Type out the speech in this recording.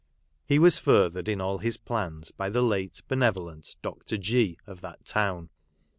He was furthered in all his plans by the late benevolent Dr. G , of that town.